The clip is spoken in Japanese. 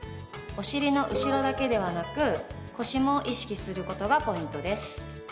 お尻の後ろだけではなく腰も意識することがポイントです。